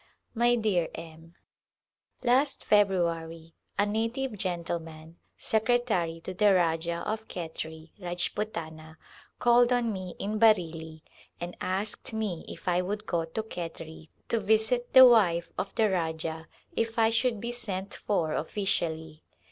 My dear M : Last February a native gentleman, secretary to the Rajah of Khetri, Rajputana, called on me in Bareilly and asked me if I would go to Khetri to visit the wife of the Rajah if I should be sent for officially.